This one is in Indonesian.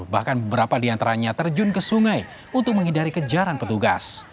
bahkan beberapa di antaranya terjun ke sungai untuk menghindari kejaran petugas